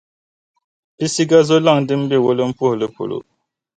Pisiga zo’ lɔŋ din be wulimpuhili polo.